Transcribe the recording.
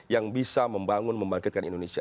yang bisa membangun membangkitkan indonesia